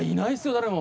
誰も。